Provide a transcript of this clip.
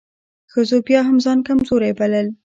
ښځو بيا هم ځان کمزورۍ بلل .